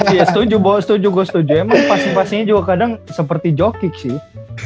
iya setuju setuju gue setuju emang pasti pastinya juga kadang seperti jokik sih